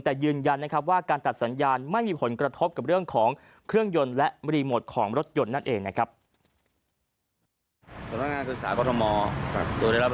แต่ยืนยันนะครับว่าการตัดสัญญาณไม่มีผลกระทบกับเรื่องของเครื่องยนต์และรีโมทของรถยนต์นั่นเองนะครับ